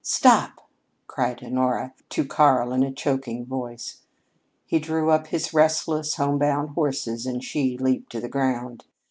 "Stop!" cried Honora to Karl in a choking voice. He drew up his restless, home bound horses, and she leaped to the ground.